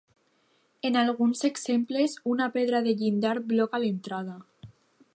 En alguns exemples, una pedra de llindar bloca l'entrada.